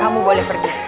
kamu boleh pergi